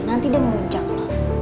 nanti dia ngemuncak loh